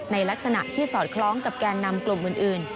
ในลักษณะที่สอดคล้องกับแกนนำกลุ่มอื่น